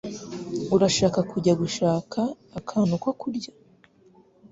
Urashaka kujya gushaka akantu ko kurya?